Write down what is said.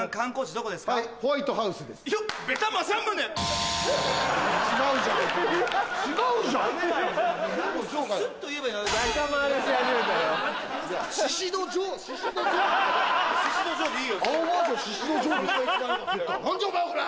何じゃお前コラ！